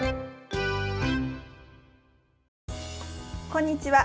こんにちは。